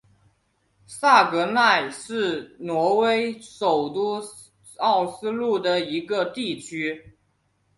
萨格奈是挪威首都奥斯陆的一个地区。